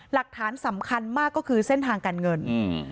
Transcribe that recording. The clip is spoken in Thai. หลักฐานสำคัญมากก็คือเส้นทางการเงินอืม